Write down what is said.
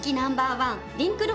１リンクル